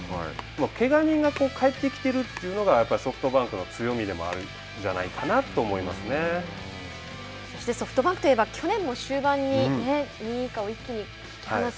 けが人が帰ってきてるというのがやっぱりソフトバンクの強みでもそしてソフトバンクといえば去年も終盤に２位以下を一気に引き離す